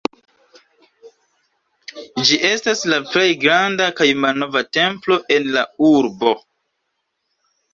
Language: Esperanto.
Ĝi estas la plej granda kaj malnova templo en la urbo.